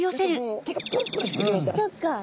そっか。